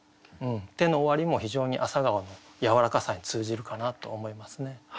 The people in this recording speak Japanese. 「て」の終わりも非常に朝顔のやわらかさに通じるかなと思いますね。